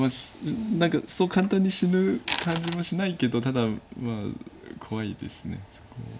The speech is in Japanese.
何かそう簡単に死ぬ感じもしないけどただまあ怖いですそこ。